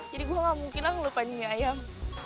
jadi gue gak mungkin lah ngelupain mie ayam